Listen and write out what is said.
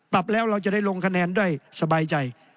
ปรับแล้วเราจะได้ลงคะแนนด้วยสบายใจ